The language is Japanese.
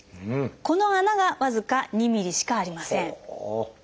この穴が僅か２ｍｍしかありません。